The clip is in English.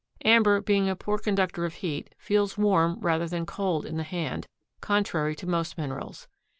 Amber being a poor conductor of heat feels warm rather than cold in the hand, contrary to most minerals.